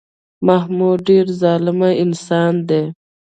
محمود ډېر ظالم انسان دی